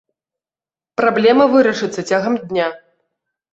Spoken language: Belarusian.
Праблема вырашыцца цягам дня.